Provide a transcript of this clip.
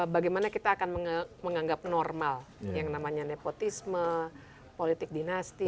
bagaimana kita akan menganggap normal yang namanya nepotisme politik dinasti